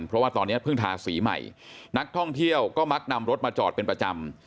เพราะว่าตอนนี้เพิ่งทาสีใหม่นักท่องเที่ยวก็มักนำรถมาจอดเป็นประจำ